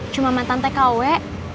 cuma mantan teh kowe